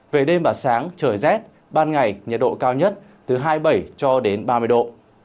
về đêm và sáng trời rét ban ngày nhiệt độ cao nhất từ hai mươi bảy cho đến ba mươi độ